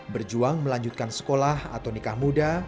berjuang melanjutkan sekolah atau nikah muda